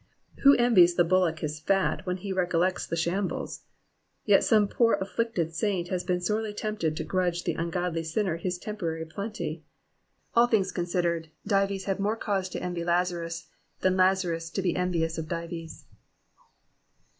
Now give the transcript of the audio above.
Who envies the bullock his fat when he recollects the shambles ? Yet some poor afflicted saint has been sorely tempted to grudge the ungodly sinner his temporary plenty. All things considered, Dives bad more cause to envy Lazarus than Lazarus to be envious of Dives.